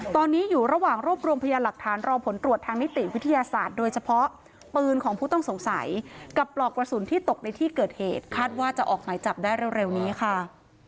ตอนนี้อยู่ระหว่างรวบรวมพยานหลักฐานรอผลตรวจทางนิติวิทยาศาสตร์โดยเฉพาะปืนของผู้ต้องสงสัยกับปลอกกระสุนที่ตกในที่เกิดเหตุคาดว่าจะออกหมายจับได้เร็วนี้ค่ะ